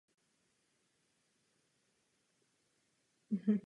Zasluhují si od našeho orgánu poděkování a ocenění.